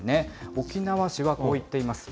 沖縄市は、こう言っています。